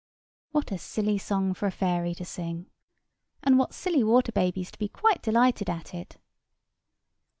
What a silly song for a fairy to sing! And what silly water babies to be quite delighted at it!